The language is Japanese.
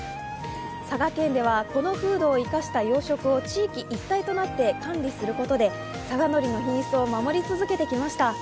佐賀県では、この風土を生かした養殖を地域一体となって管理することで佐賀のりの品質を守り続けてきました。